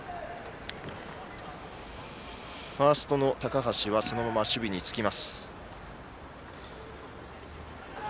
ファーストの高橋はそのまま守備につきます。